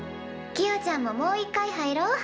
キヨちゃんももう一回入ろ。